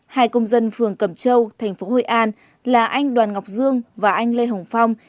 hai công dân phường cẩm châu thành phố hội an là anh đoàn ngọc dương và anh lê hồng phong